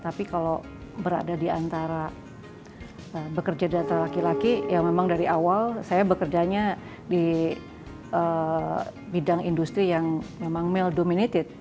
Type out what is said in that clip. tapi kalau berada di antara bekerja di antara laki laki ya memang dari awal saya bekerjanya di bidang industri yang memang mail dominited